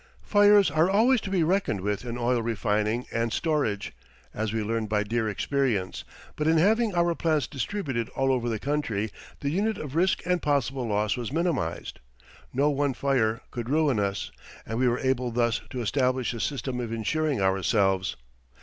Fires are always to be reckoned with in oil refining and storage, as we learned by dear experience, but in having our plants distributed all over the country the unit of risk and possible loss was minimized. No one fire could ruin us, and we were able thus to establish a system of insuring ourselves.